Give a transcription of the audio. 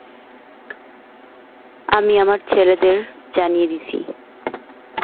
আমি আমাদের ছেলেদের জানিয়ে দিছি।